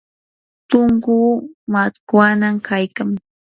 punkuu makwanam kaykan.